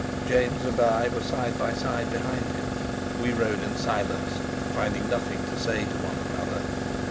James and I were side by side behind him. We rode in silence, finding nothing to say to one another.